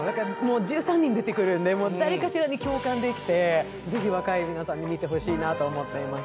１３人出てくるので誰かしらに共感できてぜひ若い皆さんに見てほしいなと思います。